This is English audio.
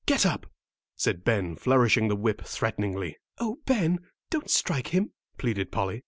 "Get up," said Ben, flourishing the whip threateningly. "Oh, Ben, don't strike him," pleaded Polly.